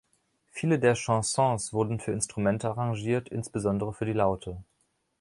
Viele der „Chansons“ wurden für Instrumente arrangiert, insbesondere für die Laute.